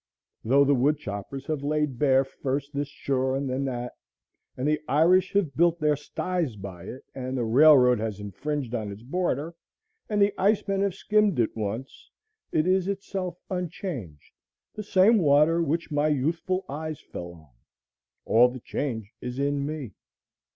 Though the woodchoppers have laid bare first this shore and then that, and the Irish have built their sties by it, and the railroad has infringed on its border, and the ice men have skimmed it once, it is itself unchanged, the same water which my youthful eyes fell on; all the change is in me.